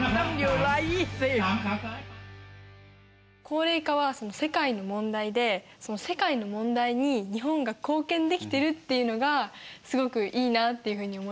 高齢化は世界の問題でその世界の問題に日本が貢献できてるっていうのがすごくいいなっていうふうに思いました。